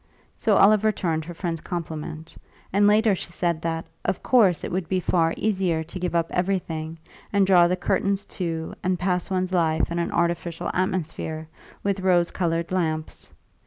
So Olive returned her friend's compliment; and later she said that, of course, it would be far easier to give up everything and draw the curtains to and pass one's life in an artificial atmosphere, with rose coloured lamps.